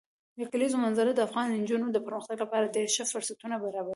د کلیزو منظره د افغان نجونو د پرمختګ لپاره ډېر ښه فرصتونه برابروي.